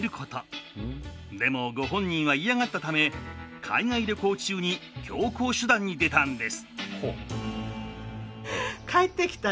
でもご本人は嫌がったため海外旅行中に強硬手段に出たんです。